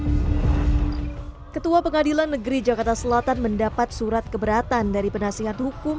hai ketua pengadilan negeri jakarta selatan mendapat surat keberatan dari penasihat hukum